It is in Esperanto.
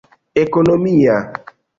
ekonomia